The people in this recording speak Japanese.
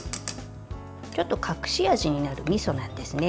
ちょっと隠し味になるみそなんですね。